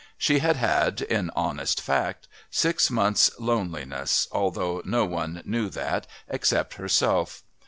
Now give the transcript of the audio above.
She had had, in honest fact, six months' loneliness, although no one knew that except herself.